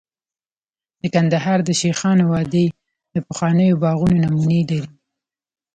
د کندهار د شیخانو وادي د پخوانیو باغونو نمونې لري